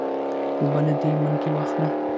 اوبۀ له دې منګي واخله